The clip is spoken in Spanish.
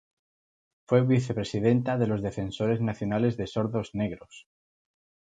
Fue vicepresidenta de los Defensores Nacionales de Sordos Negros.